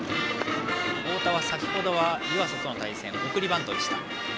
太田は先程の湯浅との対戦送りバントでした。